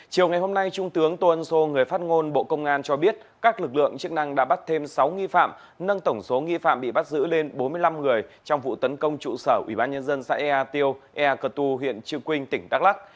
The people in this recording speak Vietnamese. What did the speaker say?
chiều ngày hôm nay trung tướng tô ân sô người phát ngôn bộ công an cho biết các lực lượng chức năng đã bắt thêm sáu nghi phạm nâng tổng số nghi phạm bị bắt giữ lên bốn mươi năm người trong vụ tấn công trụ sở ubnd xã ea tiêu ea cơ tu huyện trư quynh tỉnh đắk lắc